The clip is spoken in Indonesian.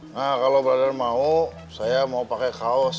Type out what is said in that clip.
nah kalau badan mau saya mau pakai kaos